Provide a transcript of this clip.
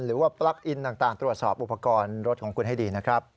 หรือว่าปลั๊กอินต่างตรวจสอบอุปกรณ์รถของคุณให้ดี